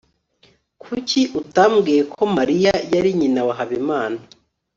kuki utambwiye ko mariya yari nyina wa habimana